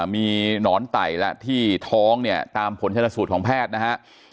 มีหนอนไต่แล้วที่ท้องเนี่ยตามผลชนสูตรของแพทย์นะฮะ